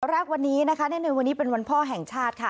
แรกวันนี้นะคะเนื่องในวันนี้เป็นวันพ่อแห่งชาติค่ะ